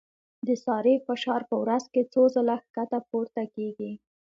د سارې فشار په ورځ کې څو ځله ښکته پورته کېږي.